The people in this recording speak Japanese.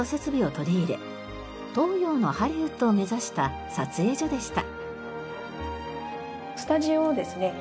東洋のハリウッドを目指した撮影所でした。